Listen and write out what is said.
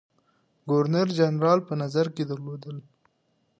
ګورنر جنرال په نظر کې درلودل.